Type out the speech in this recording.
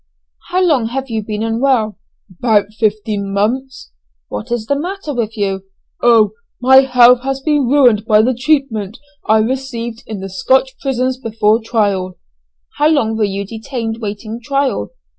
"How long have you been unwell?" "About fifteen months." "What is the matter with you?" "Oh! my health has been ruined by the treatment I received in the Scotch prison before trial." "How long were you detained waiting trial?"